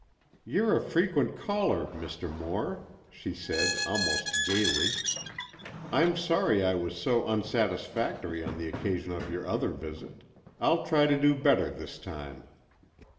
"You're a frequent caller, Mr. Moore," she said, almost gaily. "I'm sorry I was so unsatisfactory on the occasion of your other visit; I'll try to do better this time."